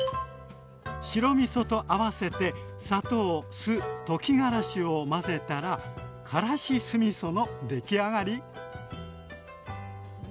白みそと合わせて砂糖酢溶きがらしを混ぜたらからし酢みそのできあがり。